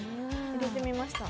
入れてみました。